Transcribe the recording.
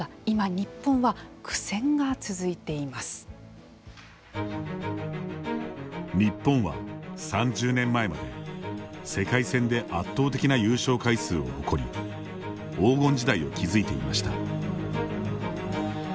日本は３０年前まで世界戦で圧倒的な優勝回数を誇り黄金時代を築いていました。